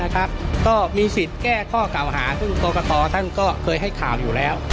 ก็มีสิทธิ์แก้ข้อเก่าหาซึ่งกรกตท่านก็เคยให้ข่าวอยู่แล้ว